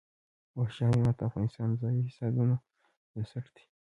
وحشي حیوانات د افغانستان د ځایي اقتصادونو بنسټ دی.